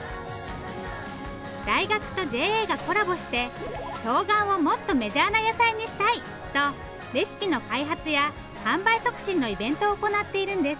大学とＪＡがコラボしてとうがんをもっとメジャーな野菜にしたいとレシピの開発や販売促進のイベントを行っているんです。